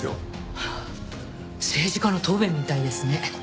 はあ政治家の答弁みたいですね。